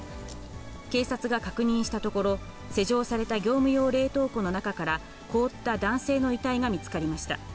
警察が確認したところ、施錠された業務用冷凍庫の中から、凍った男性の遺体が見つかりました。